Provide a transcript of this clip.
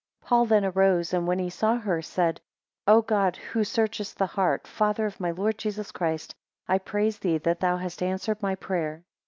9 Paul then arose, and when he saw her, said, O God, who searchest the heart, Father of my Lord Jesus Christ, I praise thee that thou hast answered my prayer.